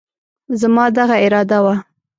زما دغه اراده وه،